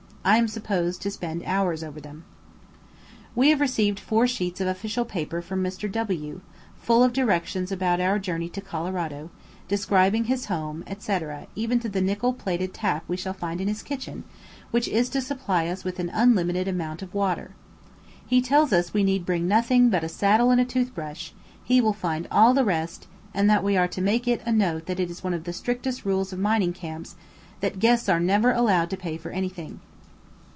I am supposed to spend hours over them. We have received four sheets of official paper from Mr. W , full, of directions about our journey to Colorado, describing his home, etc., even to the nickel plated tap we shall find in his kitchen, which is to supply us with an unlimited amount of water. He tells us we need bring nothing but a saddle and a toothbrush, he will find all the rest; and that we are to make it a note that it is one of the strictest rules of mining camps that guests are never allowed to pay for anything.